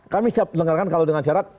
kami siap selenggarakan kalau dengan syarat